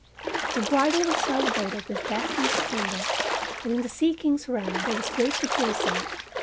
The bridal was celebrated with dazzling splendor, and in the Sea King's realm there was great rejoicing.